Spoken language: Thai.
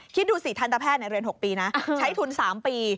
คิดดูสิทันตแพทย์เรียน๖ปีนะใช้ทุน๓ปี